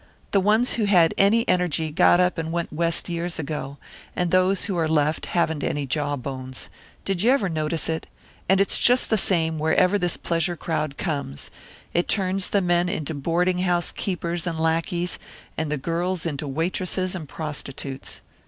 The ones who had any energy got up and went West years ago; and those who are left haven't any jaw bones. Did you ever notice it? And it's just the same, wherever this pleasure crowd comes; it turns the men into boarding house keepers and lackeys, and the girls into waitresses and prostitutes."